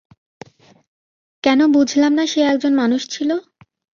কেন বুঝলাম না সে একজন মানুষ ছিল?